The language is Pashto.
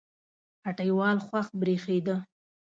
هټۍوال خوښ برېښېده